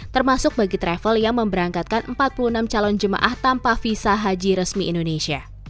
termasuk bagi travel yang memberangkatkan empat puluh enam calon jemaah tanpa visa haji resmi indonesia